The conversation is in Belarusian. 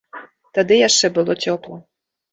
Тады яшчэ было цёпла.